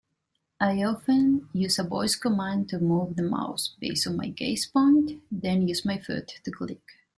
I often use a voice command to move the mouse based on my gaze point, then use my foot to click.